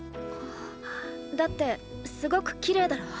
だってすごく綺麗だろ。